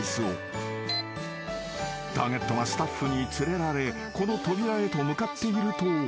［ターゲットがスタッフに連れられこの扉へと向かっていると］